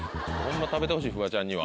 食べてほしいフワちゃんには。